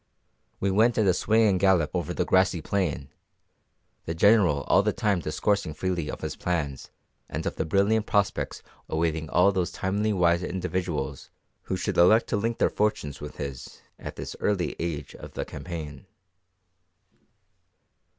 We went at a swinging gallop over the grassy plain, the General all the time discoursing freely of his plans and of the brilliant prospects awaiting all those timely wise individuals who should elect to link their fortunes with his at this early stage of the campaign.